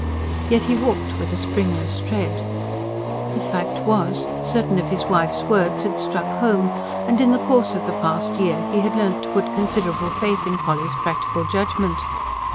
Yet he walked with a springless tread. The fact was, certain of his wife's words had struck home; and in the course of the past year he had learnt to put considerable faith in Polly's practical judgment.